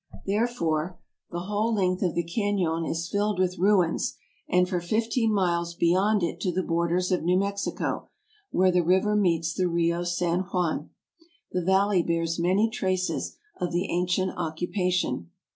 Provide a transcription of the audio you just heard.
Therefore the whole length of the canon is filled with ruins, and for fifteen miles beyond it to the bor ders of New Mexico, where the river meets the Rio San Juan, the valley bears many traces of the ancient occu pation.